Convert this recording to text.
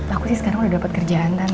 aku sih sekarang udah dapet kerjaan tante